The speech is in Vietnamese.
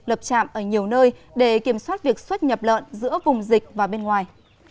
lập trạm ở nhiều nơi để kiểm soát việc xuất nhập lợn giữa vùng dịch và bên ngoài